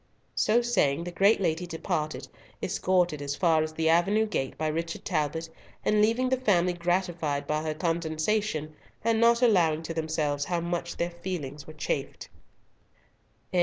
So saying, the great lady departed, escorted as far as the avenue gate by Richard Talbot, and leaving the family gratified by her condescension, and not allowing to themselves how much their feelings were chafed.